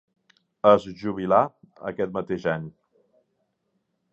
Es jubilà aquest mateix any.